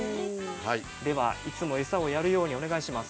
ではいつも餌をやるようにお願いします。